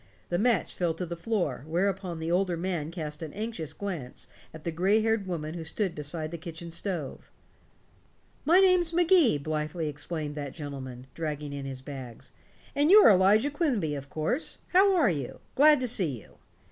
The match fell to the floor, whereupon the older man cast an anxious glance at a gray haired woman who stood beside the kitchen stove. "My name's Magee," blithely explained that gentleman, dragging in his bags. "And you're Elijah Quimby, of course. How are you? Glad to see you."